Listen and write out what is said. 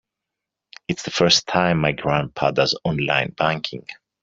It's the first time my grandpa does online banking.